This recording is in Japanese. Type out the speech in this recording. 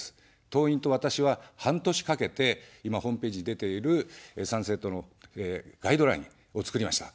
党員と私は、半年かけて、今、ホームページに出ている参政党のガイドラインを作りました。